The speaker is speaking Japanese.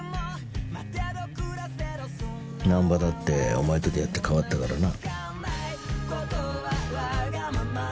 南波だってお前と出会って変わったからな。